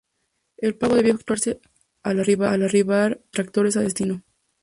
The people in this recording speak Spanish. El pago debía efectuarse al arribar los tractores a destino.